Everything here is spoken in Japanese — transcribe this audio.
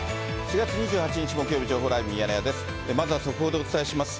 ４月２８日木曜日、情報ライブミヤネ屋です。